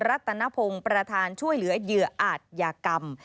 รัฐนพงศ์ประธานช่วยเหลือเหยื่ออาจยากรรม